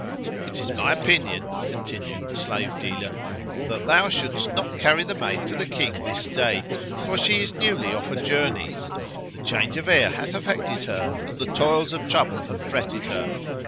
"It is my opinion," continued the slave dealer, "that thou shouldst not carry the maid to the King this day; for she is newly off a journey; the change of air[FN#11] hath affected her and the toils of trouble have fretted her.